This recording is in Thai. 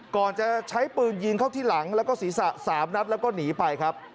ก่อนจะใช้ปืนยิงเข้าที่หลังแล้วก็ศีรษะ๓นัดแล้วก็หนีไปครับ